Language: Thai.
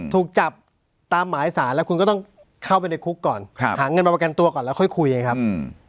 ถูกจับตามหมายสารแล้วคุณก็ต้องเข้าไปในคุกก่อนหาเงินมาประกันตัวก่อนแล้วค่อยคุยไงครับ